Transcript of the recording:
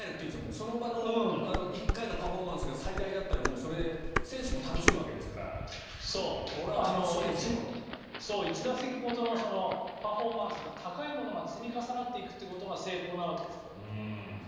その場の１回のパフォーマンスが最大だったらそれで選手も楽しいわけですから１打席ごとのパフォーマンスが高いものが積み重なっていくということが成功なわけでしょ。